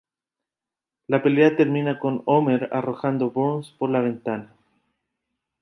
La pelea termina con Homer arrojando a Burns por la ventana.